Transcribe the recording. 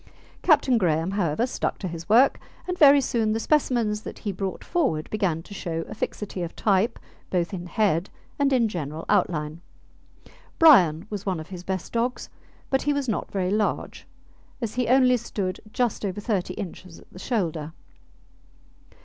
Captain Graham, however, stuck to his work, and very soon the specimens that he brought forward began to show a fixity of type both in head and in general outline. Brian was one of his best dogs, but he was not very large, as he only stood just over thirty inches at the shoulder.